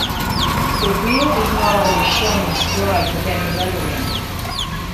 The wheel is not always shown inscribed with any lettering.